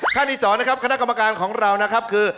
ท่านที่๒นะครับคณะกรรมการของเรานะครับคือ